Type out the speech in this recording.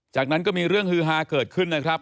จากนั้นก็มีเรื่องฮือฮาเกิดขึ้นนะครับ